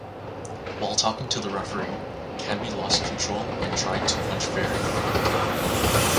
While talking to the referee, Camby lost control and tried to punch Ferry.